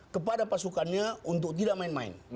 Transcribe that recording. kepada pasukannya untuk tidak main main